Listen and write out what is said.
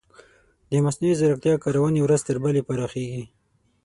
د مصنوعي ځیرکتیا کارونې ورځ تر بلې پراخیږي.